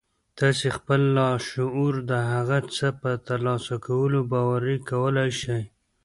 تاسې خپل لاشعور د هغه څه په ترلاسه کولو باوري کولای شئ